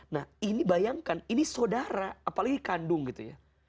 nah ini bayangkan ini saudara apalagi kandung gitu ya